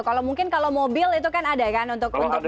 kalau mungkin kalau mobil itu kan ada kan untuk